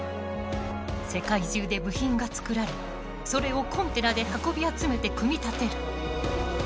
世界中で部品が作られそれをコンテナで運び集めて組み立てる。